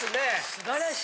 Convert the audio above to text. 素晴らしい！